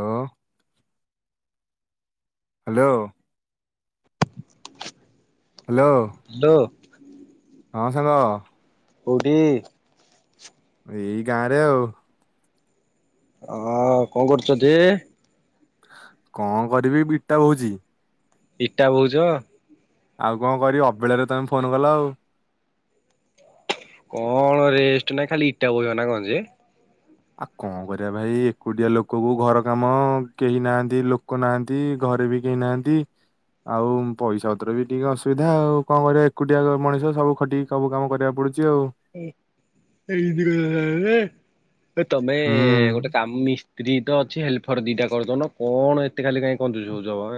Hello hello. Hello. ହୁଁ [inaudible] ହଁ ସାଙ୍ଗ। କୋଉଠି? ଏଇ ଗାଁରେ ଆଉ। ହ କଣ କରୁଛୁ ଯେ? କଣ କରିବି ଇଟା ବହୁଚି। ଇଟା ବହୁଚ? ଆଉ କଣ କରିବ ଅବେଳାରେ ତମେ ଫୋନ କଲ ଆଉ। କଣ ରେଷ୍ଟ ନାଇଁ ଖାଲି ଇଟା ବହିବନା କଣ ଯେ? ଆଉ କଣ କରିବା ଭାଇ ଏକୁଟିଆ ଲୋକକୁ ଘର କାମ କେହି ନାହାନ୍ତି ଲୋକ ନାହାନ୍ତି। ଘରେ ବି କେହି ନାହାନ୍ତି। ଆଉ ପଇସା ପତ୍ର ବି ଟିକେ ଅସୁବିଧା ଆଉ କଣ କରିବା ଏକୁଟିଆ ମଣିଷ ସବୁ ଖଟିକି ସବୁ କାମ କରିବାକୁ ପଡୁ ତମେ ହୁଁ ଗୋଟେ କାମ ମି ସ୍ତ୍ରୀ ତ ଅଛି ହେଲ୍ଫର ଦିଟା କରୁଦନ କଣ ଏତେ କାଲି କାହିଁ କଂଜୂସ ହଉଚମ।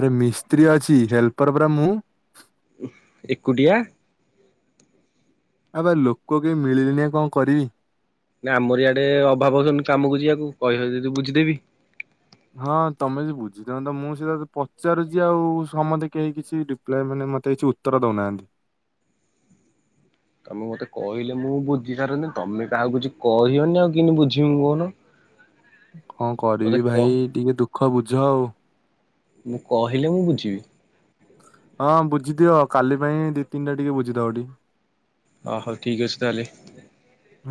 ଆରେ ମିସ୍ତ୍ରୀ ଅଛି ହେଲ୍ପର ପରା ମୁଁ। ଏକୁଟିଆ। ଆବେ ଲୋକ କେହି ମିଳିଲେନି ଆଉ କଣ କରିବି? ନା ଆମର ଇଆଡେ ଅଭାବ ହଉଛନ୍ତି କାମକୁ ଯିବାକୁ କହିିଵ ଯଦି ବୁଝିଦେବି। ହଁ ତମେ ଜି ବୁଝିଥାନ୍ତ ମୁଁ ସେଟା ପଚାରୁଛି ଆଉ ସମସ୍ତେ କେହି କିଛି ରିପ୍ଲାଏ ମାନେ ମତେ କିଛି ଉତ୍ତର ଦଉନାହାନ୍ତି। ତମେ ମତେ କହିଲେ ମୁଁ ବୁଝି ସାରନ୍ତିି ତମେ କାହାକୁ କିଛି କହିବନି ଆଉ କେମିତି ବୁଝିବି ମୁଁ କହୁନ? ହ [inaudible] କଣ ମତେ କରିବି କହ ଭାଇ ଟିକେ ଦୁଃଖ ବୁଝ ଆଉ। ମୁଁ କହିଲେ ମୁଁ ବୁଝିବି। ହଁ ବୁଝି ଦିଅ କାଲି ପାଇଁ ଦି ତିନିଟା ଟିକେ ବୁଝି ଦବଟି। ଅ ହଉ ଠିକ ଅଛି ତାହେଲେ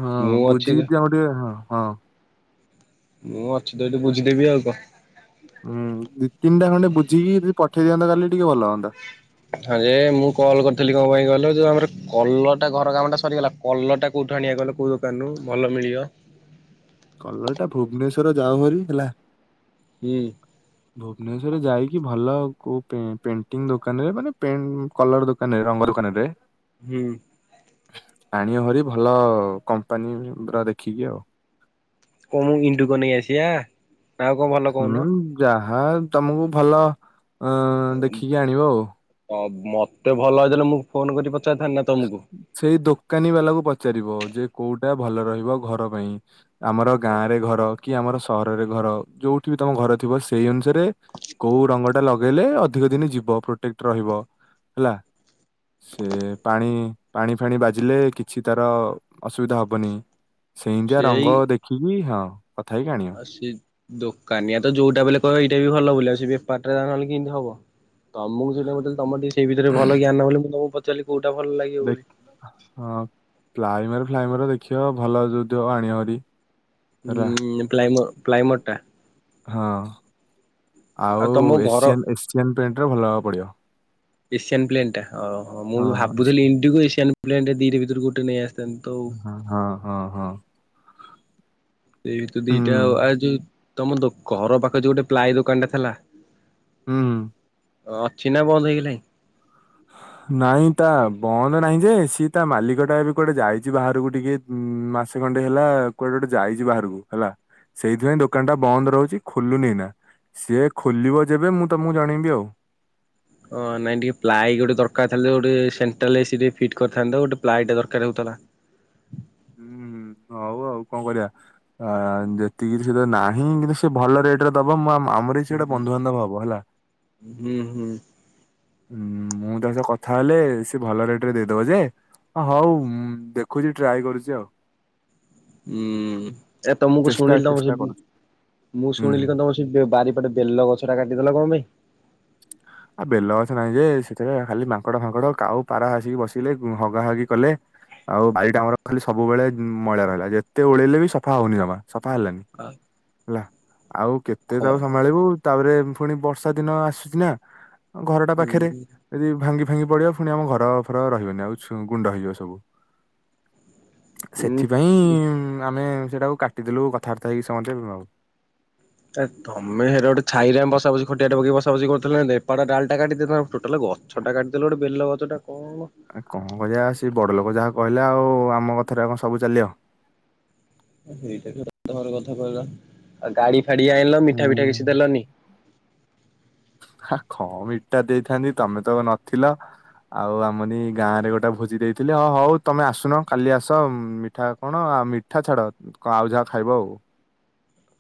ହଁ ମୁଁ ଅଛି ବୁଝିକି କୁହମ ଟିକେ ହଁ। ମୁଁ ଅଛି ତ ଏଠି ବୁଝିଦେବି ଆଉ କ ହୁଁ ଦି ତିନିଟା ଖଣ୍ଡେ ବୁଝିକି ଯଦି ପଠେଇ ଦିଅନ୍ତତ କାଲି ଟିକେ ଭଲ ହୁଅନ୍ତା। ହଁ ଯେ ମୁଁ କଲ୍ କରିଥିଲି କଣ ପାଇଁ କହିଲ ଯୋଉ ଆମର କଲରଟା ଘର କାମଟା ସରିଗଲା କଲରଟା କ କୋଉଠୁ ଆଣିବା କହିଲ କୋଉ ଦୋକାନରୁୁ ଭଲ ମିଳିବ? କଲରଟା ଭୁବନେଶ୍ଵର ଯାଉହରି ହେଲା। ହୁଁ। ଭୁବନେଶ୍ଵର ଯାଇକି ଭଲ କୋଉ ପେଣ୍ଟିଙ୍ଗ ଦୋକାନରେ ମାନେ ପେଁ କଲର ଦୋକାନରେ ରଙ୍ଗ ଦୋକାନରେ। ହୁଁ। ଆଣିଵ ଭାରି ଭଲ କମ୍ପାନୀ ର ଦେଖିକି ଆଉ। କ ମୁଁ ଇଣ୍ଡୁକ ନେଇ ଆସିବା ନାଁ ଆଉ କଣ ଭଲ କହୁନ? ହଁ ତମକୁ ଭଲ ଦେଖିକି ଆଣିବ ଆଉ। ହ ମତେ ଭଲ ହେଇଥେଲେ ମୁଁ ଫୋନ କରି ପ ସେଇ ଦୋକାନୀ ବାଲାକୁ ପଚାରିବ ଯେ କୋଉଟା ଭଲ ରହିବ ଘର ପାଇଁ ଆମର ଗାଁ ରେ ଘର। କି ଆମର ସହରରେ ଘର ଯୋଉଠି ବି ତମ ଘର ଥିବ ସେଇ ଅନୁସାରେ କୋଉ ରଙ୍ଗ ଟା ଲଗେଇଲେ ଅଧି କ ଦିନି ଯିବ ପ୍ରୋଟେକ୍ଟ ରହିବ ହେଲା ସେ ପାଣି ପାଣି ଫାଣି ବାଜିଲେ କିଛି ତାର ଅସୁବିଧା ହବନି। ସେମିତିଆ ସେଇ ରଙ୍ଗ ଦେଖିକି ହଁ କଥା ହେଇକି ଆଣିଅ। ସେ ଦୋକାନିଆ ତ ଯୋଉଟା ବେଲେ କହିବ ଏଇଟା ବି ଭଲ ବୋଲି ଆଉ ସେ ବେପାର ଟା ନହେଲେ କେମିତି ହବ। ତମକୁ ସେଇଥିପାଇଁ ପଚାରିଲି ତମର ଟିକେ ସେଇ ବିଷୟରେ ଭଲ ଜ୍ଞାନ ବୋଲି ମୁଁ ତମକୁ ପ ଦେଖିଲ ହଁ। ପ୍ଲାଇମର ଫ୍ଲାଇମର ଦେଖିବ ଭଲ ଯଉଥିବ ଆଣିବ ହେରି। ହୁଁ ପ୍ଲାଇମର ପ୍ଲାଇମର ଟା। ହଁ ଆଉ ତମ ଘର ଏସିଆନ ଏସିଆନ ପେଣ୍ଟର ଭଲ ହବାକୁ ପଡିବ। ଏସିଆନ୍ ପ୍ଲେନ ଟା। ଓହୋ ମୁଁ ହଁ ବି ଭାବୁଥିଲି ଏସି- ଇଣ୍ଡିଗୋ ଏସିଆନ୍ ପ୍ଲେଣ୍ଟେ ଦିଟା ଭିତରୁ ଗୋଟେ ନେଇ ଆସିଥାନ୍ତି ତ ଆଉ। ହଁ ହଁ ହଁ। ସେଇ ତ ଦିଟା ହୁଁ ଆଉ ଆଉ ଯୋଉ ତମ ଦୋକ ଘର ପାଖରେ ଯୋଉ ଗୋଟେ ପ୍ଲାଏ ଦୋକାନଟା ଥେଲା। ହୁଁ। ଅ-ଅଛି ନା ବନ୍ଦ ହେଇଗଲାଣି? ନାଇଁ ତା। ବନ୍ଦ ନାହିଁ ଯେ ସିଏ ତା ମାଲିକ ଟା ଏବେ କୁଆଡେ ଯାଇଛି ବାହାରୁକୁ ଟିକେ ଉଁ ମାସେ ଖଣ୍ଡେ ହେଲା କୁଆଡେ ଯାଇଛି ବାହାରକୁ ହେଲା ସେଇଥିପାଇଁ ଦୋକାନଟା ବନ୍ଦ ରହୁଛି ଖୋଲିନି ଏଇନା। ସିଏ ଖୋଲିବ ଯେବେ ମୁଁ ତମକୁ ଜାଣେଇବି ଆଉ। ହଁ ନାଇଁ ଟିକେ ପ୍ଲାଇ ଗୋଟେ ଦରକାର ଥିଲା ଯେ ଗୋଟେ ସେଣ୍ଟ୍ରାଲ ଏ ସି ଟେ ଫିଟ୍ କରିଥାନ୍ତି ତ ଗୋଟେ ପ୍ଲାଏ ଟେ ଦରକାର ହଉଥିଲା। ହୁଁ ହଉ ଆଉ କଣ କରିବା ଆ ଯେତିକି ସେ ତ ନାହିଁ କିନ୍ତୁ ସେ ଭଲ ରେଟ ରେ ଦବ ମୁଁ ଆମ ଆମରି ସିଏ ଗୋଟେ ବନ୍ଧୁବାନ୍ଧବ ହବ ହେଲା। ହୁଁ ହୁଁ। ହଁ ମୁଁ ତା ସହ କଥା ହେଲେ ସେ ଭଲ ରେଟ ରେ ଦେଇଦବ ଯେ। ଅ ହଉ ଉଁ ଦେଖୁଛି ଟ୍ରାଏ କରୁଛି ଆଉ। ଉଁ ଏ ତମକୁ ଚେଷ୍ଟା ଶୁଣିଲି ତମ ଚେଷ୍ଟା ସେ ଉଁ। କରୁଛି ମୁଁ ହୁଁ ହୁଁ ଶୁଣିଲି ଙ୍କ ତମ ସେଇ ବୋ ବାରିପଟେ ବେଲ ଗଛ ଟା କାଟିଦେଲ ଙ୍କ ପାଇଁ। ଆ ବେଲଗଛ ନା ନାଇ ଯେ ସେଥିରେ ଖାଲି ମାଙ୍କଡ ଫାଙ୍କଡ କାଉ ପାରା ଆସିକି ବସିଲେ ଉଁ ହଗା ହଗି କଲେ। ଆଉ ବାରି ଟା ଆମର ଖାଲି ସବୁବେଳେ ଉଁ ମଇଳା ରହିଲା ଯେତେ ଓଳେଇଲେ ବି ସଫା ହଉନି ଜମା। ସଫା ହେଲାନି ଆ ଲା ଆଉ ଖ କେତେ ତାକୁ ସମ୍ଭାଳିବୁ ତାପରେ ଫୁଣି ବର୍ଷା ଦିନ ଆସୁଛି ନା ଘର ଉଁ ପାଖେରେ ଯଦି ଭାଙ୍ଗିପ ଭାଙ୍ଗି ପଡିବ ଫୁଣି ଆମ ଘର ଫର ରହିବନି ଆଉ ସୁ ଗୁଣ୍ଡ ହେଇଯିବ ସବୁ। ସେଥିପାଇଁ ଉଁ ଉଁ ଆମେ। ସେଟାକୁ କାଟିଦେଲୁ କଥାବାର୍ତ୍ତା ହେଇକି ସମସ୍ତେ ଆଉ। ଏ ତମେ ହେରା ଗୋଟେ ଛାଇରେ ବସା ବସି ଖଟିଆ ଟେ ପକେଇ ବସା ବସି କରୁଥିଲେ ଦେ ଏପଟ ଡାଳଟା କାଟିଦେଇଥା ଟୋଟାଲ ଗଛ ଟା କାଟି ଦେଲ ଗୋଟେ ବେଲ ଗଛ ଟା। ଆ କଣ କରିଆ ସେ ବଡ ଲୋକ ଯାହା କହିଲା ଆଉ ଆମ କଥାରେ ଆଉ କ ସବୁ ଚାଲିଅ। ହଁ ସେଇଟା ବି ଗୋଟେ ସତ୍ ଘର କଥା କହିଲ ଆଉ ଗାଡି ଗାଡ଼ି ଆଣିଲ ମିଠା ପିଠା କିଛି ଦେଲନି। ହେ କ ମିଠା ଦେଇଥାନ୍ତି ତମେ ତ ନଥିଲ। ଆଉ ଆମ ନି ଗାଁ ରେ ଗୋଟେ ଭୋଜି ଦେଇଥିଲି ଅ ହଉ ତମେ ଆସୁନ କାଲି ଆସ ଉଁ ମିଠା କଣ ଆ ଆଉ ମିଠା ଛାଡ ଉଁ କଣ ଆଉ ଯାହା ଖାଇବ ଆଉ।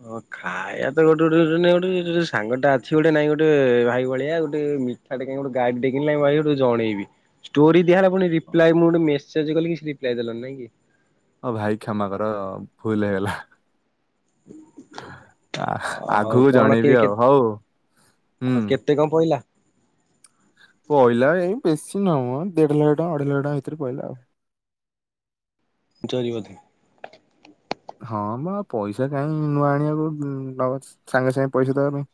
ହଁ ଖାଇଆ ତ ଗୋଟେ ଗୋଟେ ନେ ଗୋଟେ ଏ ସାଙ୍ଗ ଟା ଅଛି ଗୋଟେ ନାଇଁ ଗୋଟେ ଭାଇ ଭଳିଆ ଗୋଟେ। ମିଠା ଟେ କାଇଁ ଗୋଟେ ଗାଡିଟେ କିଣିଲା ଭାଇ ଗୋଟେ କୁ ଜଣେଇବି ଷ୍ଟୋରିି ଦିଆହେଲା ପୁଣି ରିପ୍ଲାଏ ମୁଁ ଗୋଟେ ମେସେଜ୍ କଲିି କି ରିପ୍ଲାଏ ଦେଲନି ନାଇଁ କି। ଅ ଭାଇ କ୍ଷମା କର ଭୁଲ ହେଇଗଲା। ହ। ଆ ଅ ହଉ ଆଗକୁ କଣ କିଏ ଜଣେଇବି କେ ଆଉ ହଉ ହୁଁ। କେତେ କଣ ପଇଲା? ପଇଲା ଏଇ ବେଶୀ ନା ମ ଦେଢ ଲକ୍ଷ୍ୟ ଟଙ୍କା ଅଢେଇ ଲକ୍ଷ୍ୟ ଟଙ୍କା ଭିତରେ ପଇଲା ଆଉ। ଜରି ବଧୀ ହଁ ମ ଆଉ ପଇସା କାଇଁ ନୂଆ ଆଣିଆକୁ ଉ-ଉ-ଉ ସାଙ୍ଗେ ସାଙ୍ଗେ ପଇସା ଦବା ପାଇଁ। [inaudible]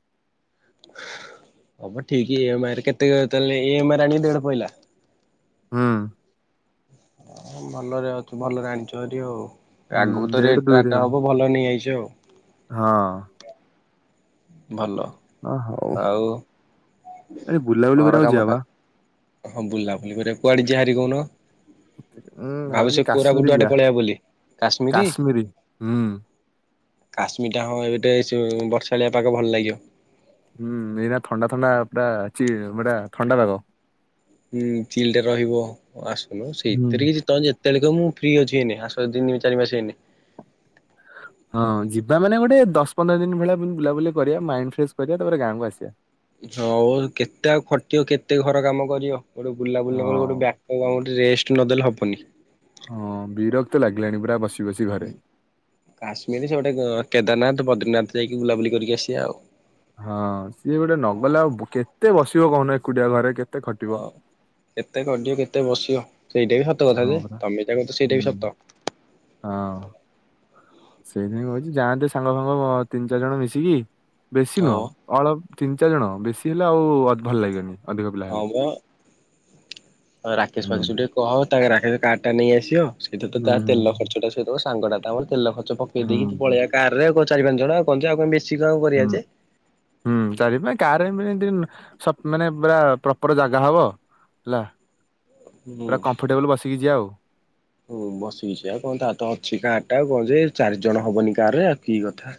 ଅମ ଠିକ୍ ଏମାଇ ରେ କେତେ ତାଲେ ଏମାଇରେ ଆଣିକି ଦେଢ ପାଇଲା। ହୁଁ ଭଲରେ ଅଛୁ ଭଲରେ ଆଣିଚୁ ହାରି ଆଉ ହୁଁ ଆଗୁକୁ ତ ଦେଢ ରେଟ୍ ଦୁଇରେ ରାଟ୍ ଆଉ ହବ ଭଲ ନେଇଆଇଚୁ। ଯେଉ ହଁ। ଭଲ ଆଉ ଆରେ ବୁଲା ବୁଲି ଘର କରିବାକୁ କାମ ଯିବା ତା ବା। ହଁ ବୁଲାବୁଲି କରିବାକୁ କୁଆଡେ ଯିଆ ହାରି କହୁନ? [unintelligible] ଉଁ ଭାବୁଚି ଭାବୁଥିଲି କୋରାପୁଟ କାଶ୍ମୀରୀ ଆଡେ ଯିବା, ପଳେଇବା ବୋଲି କାଶ୍ମିରୀ ହୁଁ। କାଶ୍ମୀରଟା ହଁ ଏବେ ଡେ ଯେଉ ବର୍ଷାଳିଆ ପାଗ ଭଲ ଲାଗିବ। ହୁଁ ଏଇନା ଥଣ୍ଡା ଥଣ୍ଡା ପୁରା ଚି ବଢିଆ ଥଣ୍ଡା ପାଗ। ହୁଁ ଚିଲ୍ ଟା ରହିବ ଆସୁନୁ ହୁଁ ସେଇଥିରେ କିଛି ତ ଯେ ଯେତେବେଳେ କହିବ ମୁଁ ଫ୍ରି ଅଛି ଏଇନେ ଆସ ତିନି ଚାରି ମାସେ ହେଇନି। ହଁ [inaudible] ହଁ ହଁ ଯିବା ମାନେ ଗୋଟେ ଦଶ ପନ୍ଦର ଦିନ ଭଳିଆ ବୁଲାବୁଲି କରିବା ମାଇଣ୍ଡ ଫ୍ରେଶ୍ କରିବା ତାପରେ ଗାଁକୁ ଆସିବା। ଯଉ କେତେ ଆଉ ଖଟିବ କେତେ ଘର କାମ କରିବ। ଗୋଟେ ବୁଲାବୁଲା ପରେ ହଁ ଗୋଟେ ବ୍ୟାକପ୍ କଣ ଗୋଟେ ରେଷ୍ଟ୍ ନଦେଲେ ହବନି। ରକ୍ତ ଲାଗିଲାଣି ପୁରା ବସି ବସି ଘରେ। ହୁ କାଶ୍ମୀର ସେ ପଟେ କେଦାରନାଥ୍ ବଦ୍ରୀନାଥ୍ ଯାଇକି ବୁଲାବୁଲି କରିକି ଆସିବା ଆଉ। ହଁ ସିଏ ଗୋଟେ ନଗଲେ ଆଉ ବ କେତେ ବସିବ କହୁନ ଏକୁଟିଆ ଘରେ କେ ହଁ କେତେ ଖଟିବ କେତେ ବସିବ। ସେଇଟା ବି ସତ କଥା ହଁ ଯେ ପରା ତମେ ଯୋଟା କହୁଛ ସେଇଟା ବି ହୁଁ। ସତ। ସେଇଥିାଇଁ କହୁଛି ଯାଆନ୍ତେ ସାଙ୍ଗ ଫାଙ୍ଗ ଅ-ଅ ତିନି ଚାରି ଜଣ ମିଶିକି ବେଶୀ ନୁହଁ ହଁ ଅଳପ ତିନି ଚାରି ଜଣ ବେଶୀ ହେଲେ ଆଉ-ଉ-ଉ ଭଲ ଲାଗିବନି। ଅଧିକ ପିଲା ହଁ ହେଲେ। ବ ରାକେଶ୍ ହୁଁ ପାକେଶ୍ ଟିକେ କହ ତାଙ୍କେ ରା ସେ କାର୍ ଟା ନେଇ ଆସିବ ସେଇଟା ତ ହୁଁ ତା ହୁଁ। ତେଲ ଖର୍ଚ୍ଚଟା ସିଏ ଦବ ସାଙ୍ଗଟା ତମର ତେଲ ଖର୍ଚ୍ଚ ଚ ପକେଇ ହୁଁ ଦେଇକି ଏଠୁ ହୁଁ ପଳେଇବା କାର୍ ରେ ଆଉ କଣ ଚାରି ପାଞ୍ଚ ଜଣ ଆଉ କଣ ଯେ ବେଶ୍ ହୁଁ ହୁଁ ଚାରି ପାଁ କାର ରେ ଏମିତି ସତ୍ ମାନେ ପୁରା ପ୍ରପର ଜାଗା ହବ ହେଲା। ହୁଁ ପୁରା କମ୍ଫର୍ଟେବୁଲ ବସିକି ଯିବା ଆଉ। ହୁଁ ବସିିକି ଯିବା ଆଉ କଣ ତାର ତ ଅଛି କାର୍ ଟା ଆଉ କଣ ଯେ ଚାରି ଜଣ ହବନି କାର୍ ରେ ଆଉ କି କଥା।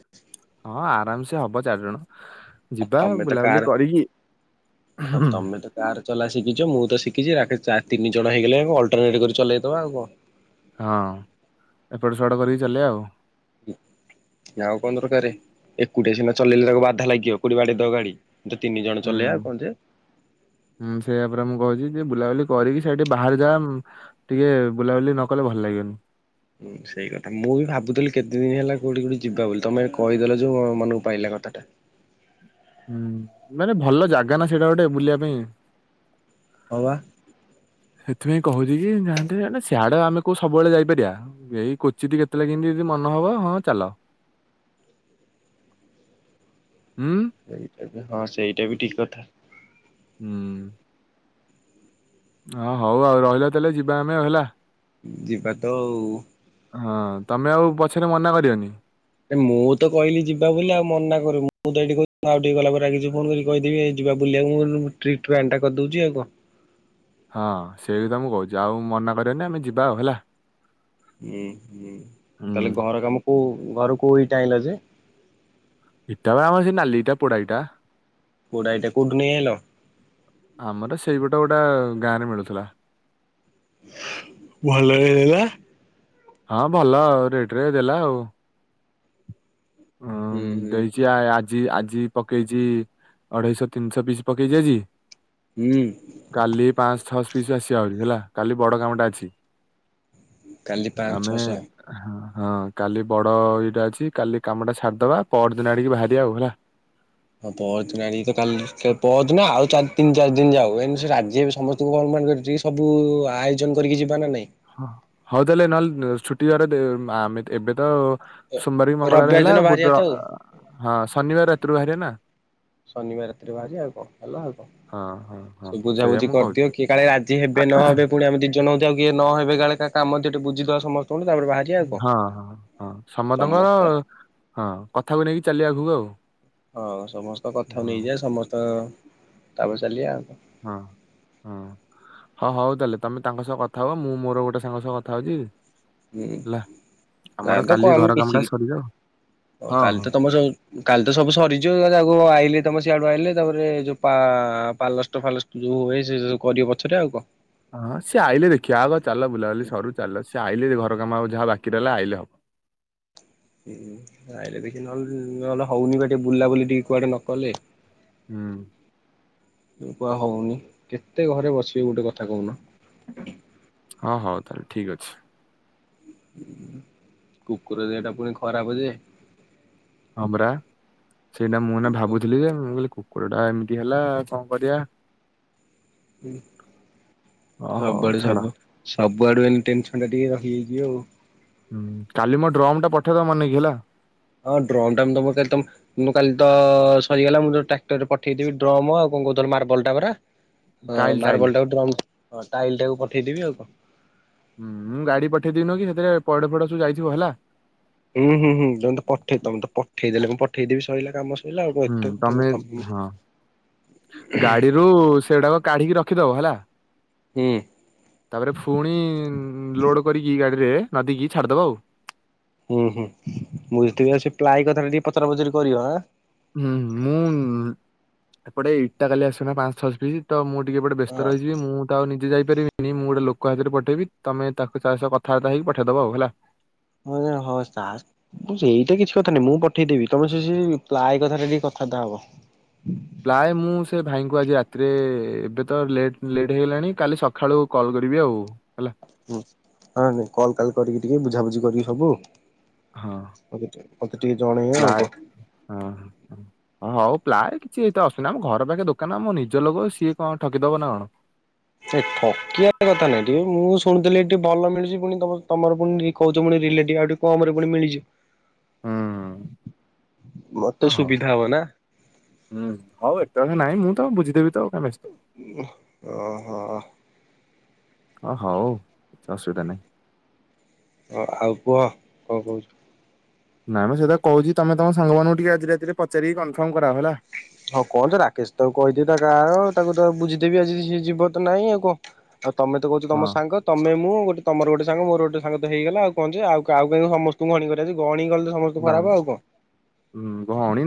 ହଁ ଆରାମ ସେ ହବ ଚାରିଜଣ। ଆଉ ଯିବା ତମେ ତ କାର ବୁଲାବୁଲି କରିକି ହଁ ହୁଁ। ତମେ ତ କାର ଚଲା ଶିଖିଚୁ ମୁଁ ତ ଶିଖିଚି ରାକେଶ ତିନି ଜଣ ହେଇଗଲେ ଅଲଟରନେଟ୍ କରି ଚଲେଇଦବା ଆଉ କଣ। ହଁ ଏପଟ ସେପଟ କରିକି ଚଲେଇବା ଆଉ। ଆଉ କଣ ଦରକାରେ। ଏକୁଟିଆ ସିନା ଚଲେଇଲା ବେଳକୁ ବାଧା ଲାଗିବ କୋଉଠି ବାଡେଇ ଦବ ଗାଡ଼ି। ହୁଁ ହୁଁ ସେଇଆ ପରା ମୁଁ କହୁଛି। ଟି ବୁଲାବୁଲି କରିକି ସେଇଠି ବାହାର ଜା ଟିକେ ବୁଲାବୁଲି ନ କଲେ ଭଲ ଲାଗିବନି। ହୁଁ ସେଇ କଥା ମୁଁ ବି ଭାବୁଥିଲି କେତେ ଦିନ ହେଲା କୋଉଠି ଗୋଟେ ଯିବା ବୋଲି ତମେ କହିଦେଲ ଯୋଉ ମନକୁ ପାଇଲା କଥାଟା। ହୁଁ ମାନେ ଭଲ ଜାଗା ନା ସେଇଟା ଗୋଟେ ବୁଲିବା ପାଇଁ। ହଁ ପା। ସେଥିପାଇଁ କହୁଛି କି ଯାଆନ୍ତେ ସିଆଡ ଆମେ କଉ ସବୁବେଳେ ଯାଇପାରିବା ଏଇ କୋଚିଟି କେତେବେଳେ କେମିତି। ମନ ହବ ହଁ ଚାଲ, ହୁଁ ଏବେ ହଁ ସେଇଟା ବି ଠିକ୍ କଥା। ହୁଁ। ହଁ ହଉ ଆଉ ରହିଲା ତାହେଲେ ଯିବା ଆମେ ହେଲା। ଯିବା ତ ଆଉ। ହଁ ତମେ ଆଉ ପଛରେ ମନା କରିବନି। ଏ ମୁଁ ତ କହିଲି ଯିବା ବୋଲି ଆଉ ମନା କରି ମୁଁ ତ ଏଇଠି କହିଲି ଆଉ ଟିକେ ଗଲା ପରେ ରାଗିକି ଫୋନ କରିକି କହିଦେବି ଏଇ ଜି ଯିବା ବୁଲିବାକୁ ମୁଁ କହିଲି ଟ୍ରିପ ପ୍ଲାନଟା କରିଦଉଛି ଆଉ କଣ? ହଁ ସେଇ କଥା ମୁଁ କହୁଛି ଆଉ ମନା କରିବନି ଆମେ ଯିବା ଆଉ ହେଲା। ହୁଁ ହୁଁ ହୁଁ। ତାହଲେ ଘର କାମ କୋଉ ଘର କୋଉ ଇଟା ଆଇଁଲ ଯେ? ଇଟାବେଳେ ଆମର ସେ ନାଲିଇଟା ପୋଡାଇଟା। ପୋଡା ଇଟା କଉଠୁ ନେଇ ଆଇଲ? ଆମର ସେଇପଟ ଗୋଟେ ଗାଁ ରେ ମିଳୁଥିଲା। ଭଲ ହେଇଲା। ହଁ ଭଲ ରେଟ ରେ ଦେଲା ଆଉ। ଉଁ ହୁଁ ହୁଁ ଦେଇଛି ହୁଁ। ଆ- ଆଜି ଆଜି ପକେଇଛି ଅଢେଇଶହ ତିନିଶହ ପିସ ପକେଇଛି ଆଜି ହୁଁ କାଲି ପାଅଁସ ଛଅଶ ପିସ ଆସିବା ଆହୁରି ହେଲା କାଲି ବଡ କାମଟା ଅଛି। କାଲି ପାଞ୍ଚ ଆମେ ଛଅଶହ। ହଁ। ହଁ କାଲି ବଡ ଇଏଟା ଅଛି କାଲି କାମଟା ସାରିଦବା ପର ଦିନ ଆଡିକି ବାହାରିବା ଆଉ ହେଲା। ହଁ ପହଞ୍ଚୁ ନା ଆଣିକି ତ କାଲି ପଅରଦିନ ଆଉ ଚାରି ତିନି ଶ ଦିନ ଯାଉ ଏ ସେ ରାଜି ସମସ୍ତଙ୍କୁ ଅନୁମାନ କରିି ସବୁ ଆୟୋଜନ କରିକି ଯିବାନା ନାଇଁ। ହଁ ହଉ ତାହେଲେ ନହେଲେ ଛୁଟି ବାର ଆମେ ଏବେ ତ ସୋମବାର କି ମଙ୍ଗଳବାର ରବିବାର ହେଲା ଦିନ ବାହାରିବା ତ ଆଉ। ବୁଧଅଁ ହଁ ଶନିବାର ରାତିରୁ ବାହାରିବା ନା। ଶନିବାର ରାତିରେ ବାହାରିବା ଆଉ କଣ ହେଲା ଆଉ କଣ। ହଁ ହଁ ହଁ ସେ ସେଇଆ ବୁଝାବୁଝି ମୁଁ କହୁଛି କରିଦିଅ କିଏକାଳେ ରାଜି ହେବେ ନହବେ ପୁଣି ଆମେ ଦିଇ ଜଣ ହଉ ତ କିଏ ନ ହେବେ କାଳେ କା କାମ ଥିବ ଟିକେ ବୁଝିଦବା ସମସ ହଁ ହଁ ହଁ ସମତଙ୍କର ସମସ୍ତେ ହଁ କଥାକୁ ନେଇକି ଚାଲିବା ଆଗକୁ ଆଉ। ହଁ ସମସ୍ତଙ୍କ କଥା ହଁ ନେଇଯିବା ସମସ୍ତ ତାପରେ ଚାଲିବା ଆଉ। ହଁ ହଁ। ହଁ ହଉ ତାହେଲେ ତମେ ତାଙ୍କ ସହ କଥା ହବ ମୁଁ ମୋର ଗୋଟେ ସାଙ୍ଗ ସହ କଥା ହଉଚି ହୁଁ ତା ତ କାଲି କମ ଘର ବେଶ କାମଟା ସରିଯାଉ। ହଉ ହଁ କାଲି ହଁ। ତ ତମ ସବୁ କାଲି ତ ସବୁ ସରିଯିବ ତାକୁ ଆଇଲେ ତମ ସିଆଡୁ ଆଇଲେ। ତାପରେ ଯୋଉ ପା ପାଲଷ୍ଟ ଫାଲଷ୍ଟ ଯୋଉ ହୁଏ ସେ ସବୁ କରିବେ ପଛରେ ଆଉ କଣ। ହଁ ସେ ଆଇଲେ ଦେଖିବା ଆଗ ଚାଲ ବୁଲାବୁଲି ସରୁ ଚାଲ ସେ ଆଇଲେ ଘ ର କାମ ଆଉ ଯାହା ବାକି ରହିଲା ଆଇଲେ ହବ। ହୁଁ ଆଇଲେ ଦେଖି ନହେଲେ ନହେଲେ ହଉନି ବା ଟିକେ ବୁଲା ବୁଲି ଟିକେ କୁଆଡେ ନ କଲେ। ହୁଁ କୁହା ହଉନି କେତେ ଘରେ ବସିବି ଗୁଟେ କଥା କହୁନ। ହଁ ହଉ ତାହେଲେ ଠିକ ଅଛି। କୁକୁର ଦେହ ଟା ପୁଣି ଖରାପ ଯେ। ହଁ ପରା ସେଇଟା ମୁଁ ଏଇନା ଭାବୁଥିଲି ଯେ ମୁଁକହିଲି କୁ କୁକୁର ଟା ଏମିତି ହେଲା କଣ କରିବା। ହୁଁ ଅ ହଉ ସବଆଡେ ଛାଡ ସବୁ। ସବୁଆଡୁ ଏଇନେ ଟେନସନଟା ଟିକେ ରହିଯାଇଛି ଆଉ। ହୁଁ କାଲି ମୋ ଡ୍ରମ ଟା ପଠେଵ ମନେକି ହେଇା। ହଁ ଡ୍ରମଟା ମୁ ମୁଁ କାଲି ତ ସରିଗଲା ମୁଁ ଟ୍ରାକ୍ଟର ରେ ପଠେଇଦେବି ଡ୍ରମ ଆଉକ କଣ କହୁଥଲ ମାର୍ବଲଟା ପରା। ହଁ ଟାଇଲ୍ ଟାଇଲ୍। ମାର୍ବଲ ଟାକୁ ଡ୍ରମ ଟାଇଲ ଟାକୁ ପଠେଇଦବି ଆଉ କଣ। ହୁଁ ମୁଁ ଗାଡି ପଠେଇ ଦେବି ନୁହେଁକି ହେଥିରେ ପଇଡ ଫଇଡ ସବୁ ଯାଇଥିବ ହେଲା। ହୁଁ ହୁଁ ହୁଁ ତମେ ତ ପଠେଇ ତମେ ତ ପଠେଇଦେଲେ ମୁଁ ପଠେଇ ଦେବି ସଇଲା କାମ। ସଇଲା ଆଉ କଣ ହୁଁ ଏତେ କଥା ତମେ ହୁଁ ହଁ ଗାଡିରୁ ସେଡାକ କାଢିକି ରଖ ରଖିଦବ ହେଲା ହୁଁ ତାପରେ ଫୁଣି ଲୋଡ କରିକି ଗାଡିରେ ନଦୀକି ଛାଡ଼ିଦବ ଆଉ। ହୁଁ ହୁଁ ମୁଁ କୋଉଥିଲି ଆଉ ସେ ପ୍ଲାଏ କଥାଟା ଟିକେ ପଚରା ପଚାରି କରିବଁ। ହୁଁ ମୁଁ ଏପଟେ ଇଟା କାଲି ଆସିବନା ପାଞ୍ଚ ଛଶ ପିସ୍ ତ ମୁଁ ଟିକେ ଏପଟେ ବ୍ୟସ୍ତ ହଁ ରହିିଯିବି ମୁଁ ତ ଆଉ ନିଜେ ଯାଇି ପାରିବିନି ମୁଁ ଗୋଟେ ଲୋକ ହାତରେ ପଠେଇବି ତମେ ତାକୁ ତା ସହ କଥାବାର୍ତା ହେଇକି ପଠେଇଦବ ଆଉ ହେଲା। ହଁ ହଁ ସେଇଟା କିଛି କଥା ନାହିଁ ମୁଁ ପଠେଇଦେବି ତମେ ସେ ସେଇ ପ୍ଲାଏ କଥାଟା ଟିକେ କଥାବାର୍ତ୍ତା ହବ। [inaudible] ପ୍ରାୟ ମୁଁ ସେ ଭାଇଙ୍କୁ ଆଜି ରାତିରେ ଏବେ ତ ଲେଟ୍ ଲେଟ୍ ହେଇଗଲାଣି କାଲି ସକାଳୁ କଲ୍ କରିବି ଆଉ ହେଲା। ହୁଁ ହଁ ନାଇଁ କଲ କାଲ କରିକି ଟିକେ ବୁଝାବୁଝି କରିକି ହବୁ। ହଁ ମତେ ଟେ ମତେ ଟିକେ ଜଣେଇଇ ଆଉ ପ୍ରାୟ କୁ ପ୍ଲାଏ କିଛି ଏତ ଅସୁନି ଆମ ଘର ପାଖେ ଦୋକାନ ଆମ ନିଜ ଲୋକ ସିଏ କଣ ଠକିଦବ ନା କଣ? ଏ ଠକିଆ କଥା ନାଇଁ ଟିକେ ମୁଁ ଶୁଣିଥିଲି ଏ ଟିକି ଭଲ ମିଳୁଛି ପୁଣି ତମର ପୁଣି କହୁ ପୁଣି ରିଲେଟିଭ୍ ଆଉ ଟିକେ କମରେ ପୁଣି ମିଳି ଯିବ ହୁଁ ମତେ ଓ ହଉ ସୁବିଧା ହବ ନା ହୁଁ ହଉ ଏତେ କଥା ନାଇଁ ମୁଁ ତ ବୁଝିଦେବି ତ ଆଉ ଓ ହ ଓ ହଉ କିଛି ଅସୁବିଧା ନାହିଁ। ହଁ, ଆଉ କୁହ କ'ଣ କହୁ ନାଇଁ ମ ସେଇ କଥା କହୁଛି ତମ ତମ ସାଙ୍ଗମାନାନଙ୍କୁ ଟିକେ ଆଜି ରାତିରେ ପଚାରିକି କନଫର୍ମ୍ ହଁ କଣ ଯେ ରାକେଶ୍ ତ କହିଚି ତା ଆଉ ତାକୁ ତ ବୁଝି ବି ଆଜି ସେ ଯିବ ତ ନାଇଁ ଆଉ କଣ ଆଉ ତମେ ତ କହୁଛ ତମ ହଁ ସାଙ୍ଗ ତମେ ମୁଁ ଗୋ ତମର ଗୋଟେ ସାଙ୍ଗ ମୋର ଗୋଟେ ସାଙ୍ଗ ତ ହେଇଗଲା ଆଉ କହ ଆଉ କଉ କାଁ ସମସ୍ତଙ୍କୁ ଘଣୀ କରିବା ଯେ ଗହଣୀ କଲେ ସମସ୍ତ ନା ଖରାପ ଆଉ ଉଁ କଣ। ଭଉଣୀ